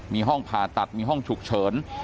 มีห้องผ่าตัดมีห้องฉุกเฉิน